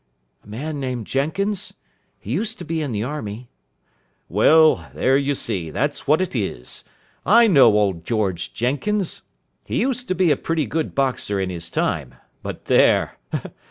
"A man named Jenkins. He used to be in the army." "Well, there, you see, that's what it is. I know old George Jenkins. He used to be a pretty good boxer in his time, but there!